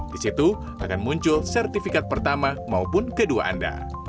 di situ akan muncul sertifikat pertama maupun kedua anda